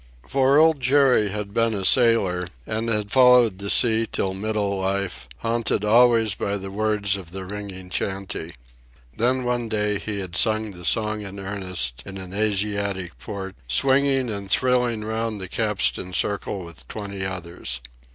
For Old Jerry had been a sailor, and had followed the sea till middle life, haunted always by the words of the ringing chantey. Then one day he had sung the song in earnest, in an Asiatic port, swinging and thrilling round the capstan circle with twenty others.